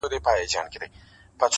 انسانيت له ازموينې تېريږي سخت,